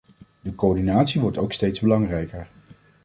Die coördinatie wordt ook steeds belangrijker.